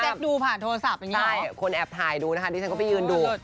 ดูผ่านโทรศัพท์อย่างนี้ใช่คนแอบถ่ายดูนะคะดิฉันก็ไปยืนดู